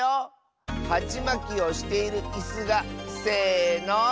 はちまきをしているいすがせの。